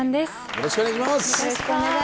よろしくお願いします。